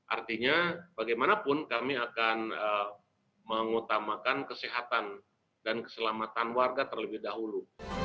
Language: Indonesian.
artinya bagaimanapun kami akan mengutamakan kesehatan dan keselamatan warga terlebih dahulu